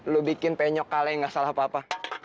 lu bikin penyok kaleng gak salah apa apa